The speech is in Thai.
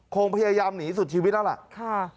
คงพยายามหนีสุดชีวิตแล้วล่ะ